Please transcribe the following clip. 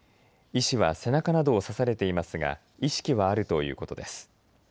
医師は背中などを刺されていますが意識はあるということです。